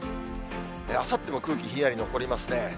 あさっても空気ひんやり残りますね。